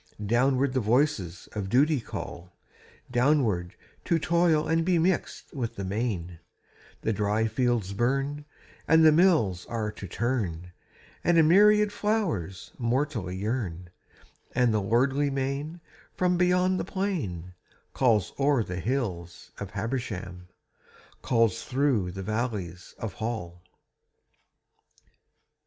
Downward the voices of Duty call Downward, to toil and be mixed with the main, The dry fields burn, and the mills are to turn, And a myriad flowers mortally yearn, And the lordly main from beyond the plain Calls o'er the hills of Habersham, Calls through the valleys of Hall.